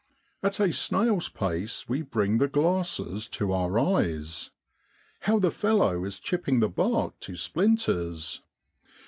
At a snail's pace we bring the glasses to our eyes. How the fellow is chipping the bark to splin ters